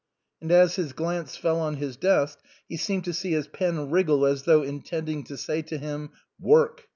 " And as his glance fell on his desk he seemed to see his pen wriggle as though intending to say to him " Work."